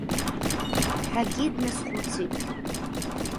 Ҳәагьы дназхәыцит.